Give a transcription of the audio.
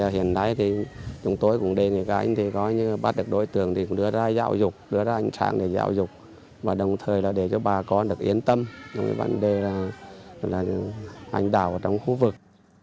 hiện nay chúng tôi cũng đề nghị các anh bắt được đội tưởng đưa ra dạo dục đưa ra anh sáng để dạo dục và đồng thời để cho ba con được yên tâm về vấn đề hành đảo trong khu vực